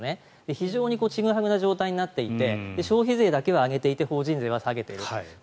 非常にちぐはぐな状態になっていて消費税だけは上げていて法人税は下げている。